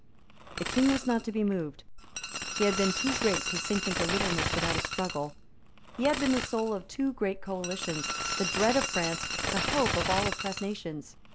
The King was not to be moved. He had been too great to sink into littleness without a struggle. He had been the soul of two great coalitions, the dread of France, the hope of all oppressed nations.